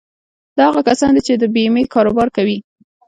دا هغه کسان دي چې د بيمې کاروبار کوي.